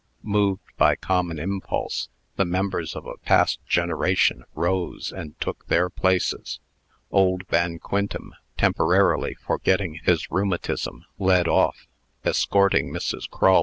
Moved by common impulse, the members of a past generation rose, and took their places. Old Van Quintem, temporarily forgetting his rheumatism, led off, escorting Mrs. Crull.